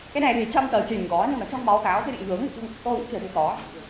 cái này thì trong tờ trình có nhưng mà trong báo cáo cái định hướng thì tôi chưa thấy có